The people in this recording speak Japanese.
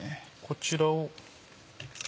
こちらを。